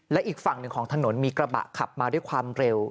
และอีกฝั่งหนึ่งของถนนมีกระบะขับมาด้วยความเร็ว